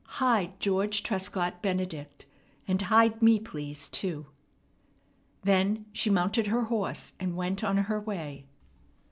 Hide George Trescott Benedict. And hide me, please, too." Then she mounted her horse, and went on her way.